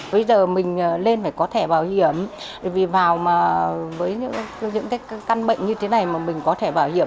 bây giờ mình lên phải có thẻ bảo hiểm vì vào mà với những cái căn bệnh như thế này mà mình có thẻ bảo hiểm